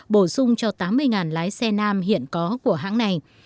bổ sung cho tám mươi lái xe nam hiện có của hãng này